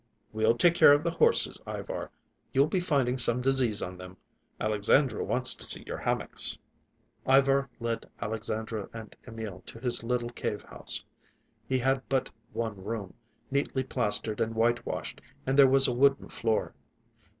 "We'll take care of the horses, Ivar. You'll be finding some disease on them. Alexandra wants to see your hammocks." Ivar led Alexandra and Emil to his little cave house. He had but one room, neatly plastered and whitewashed, and there was a wooden floor.